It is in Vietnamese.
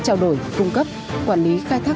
trao đổi cung cấp quản lý khai thác